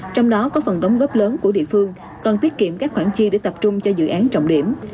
trong đó có phần đóng góp lớn của địa phương còn tiết kiệm các khoản chi để tập trung cho dự án trọng điểm